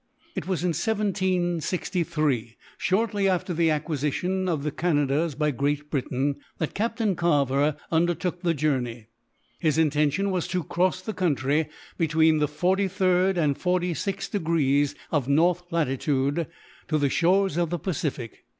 It was in 1763, shortly after the acquisition of the Canadas by Great Britain, that Captain Carver undertook the journey. His intention was to cross the country, between the forty third and forty sixth degrees of north latitude, to the shores of the Pacific.